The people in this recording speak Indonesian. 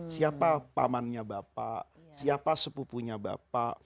siapa pamannya bapak siapa sepupunya bapak